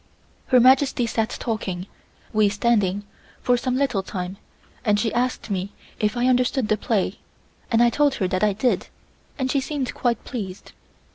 Her Majesty sat talking, we standing, for some little time and she asked me if I understood the play, and I told her that I did and she seemed quite pleased.